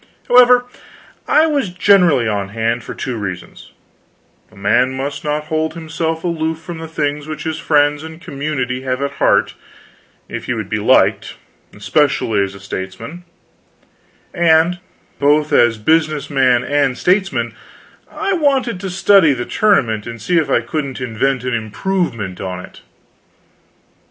However, I was generally on hand for two reasons: a man must not hold himself aloof from the things which his friends and his community have at heart if he would be liked especially as a statesman; and both as business man and statesman I wanted to study the tournament and see if I couldn't invent an improvement on it.